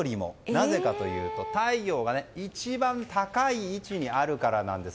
なぜかというと、太陽が一番高い位置にあるからなんです。